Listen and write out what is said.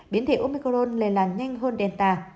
biến thể omicron lây lan nhanh hơn delta